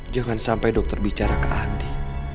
jangan sampai dokter bicara ke andi